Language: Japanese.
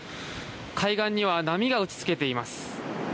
海岸には波が打ちつけています。